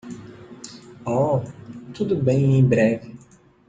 Oh, tudo bem em breve.